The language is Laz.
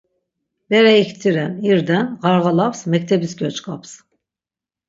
Bere iktiren; irden, ğarğalaps, mektebis gyoç̆k̆aps.